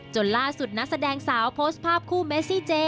ล่าสุดนักแสดงสาวโพสต์ภาพคู่เมซี่เจ